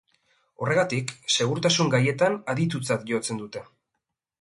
Horregatik, segurtasun gaietan aditutzat jotzen dute.